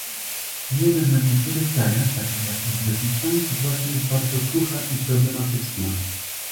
Wiemy, że w niektórych krajach, takich jak Uzbekistan sytuacja jest bardzo krucha i problematyczna